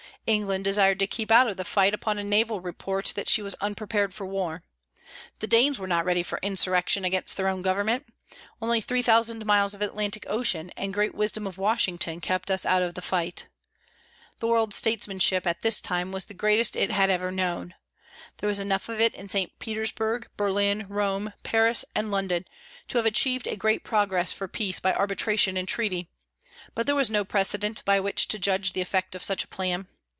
England desired to keep out of the fight upon a naval report that she was unprepared for war. The Danes were ready for insurrection against their own Government. Only 3,000 miles of Atlantic Ocean and great wisdom of Washington kept us out of the fight. The world's statesmanship at this time was the greatest it had ever known. There was enough of it in St. Petersburg, Berlin, Rome, Paris, and London to have achieved a great progress for peace by arbitration and treaty, but there was no precedent by which to judge the effect of such a plan.